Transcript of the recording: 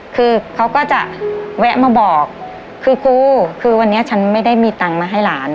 คือเขาก็จะแวะมาบอกคือครูคือวันนี้ฉันไม่ได้มีตังค์มาให้หลาน